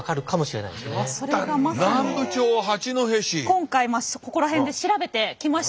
今回ここら辺で調べてきました。